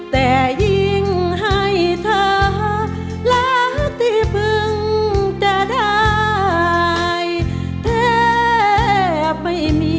แต่ยิ่งให้เธอรักที่เพิ่งจะได้แทบไม่มี